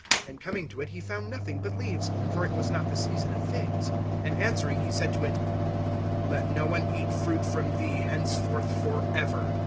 And coming to it, he found nothing but leaves; for it was not the season of figs. (14)And answering he said to it: Let no one eat fruit from thee, henceforth forever.